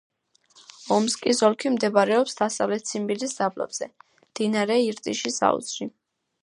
ომსკის ოლქი მდებარეობს დასავლეთ ციმბირის დაბლობზე, მდინარე ირტიშის აუზში.